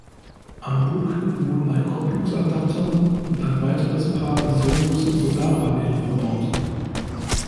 Am Bug wurden ein Kopplungsadapter und ein weiteres Paar Sojus-Solarpaneele verbaut.